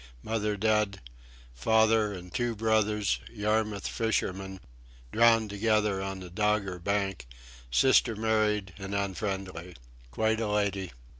Mother dead; father and two brothers, Yarmouth fishermen, drowned together on the Dogger Bank; sister married and unfriendly. Quite a lady.